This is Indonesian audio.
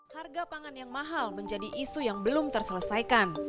harga pangan yang mahal menjadi isu yang belum terselesaikan